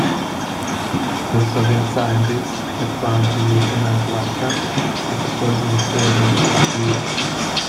The Soviet scientists had planned to euthanize Laika with a poisoned serving of food.